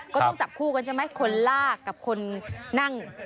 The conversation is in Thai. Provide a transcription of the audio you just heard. ก็ต้องจับคู่กันใช่ไหมคนลากกับคนนั่ง